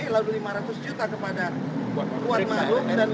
lalu lima ratus juta kepada puan madu dan lima ratus kepada pemimpin krn